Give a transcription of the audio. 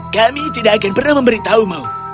kami tidak akan pernah memberitahumu